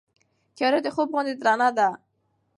تیاره د خوب غوندې درنه وه.